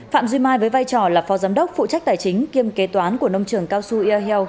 phạm duy mai với vai trò là phó giám đốc phụ trách tài chính kiêm kế toán của nông trường cao su yar